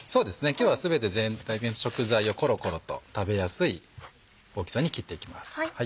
今日は全て食材をコロコロと食べやすい大きさに切っていきます。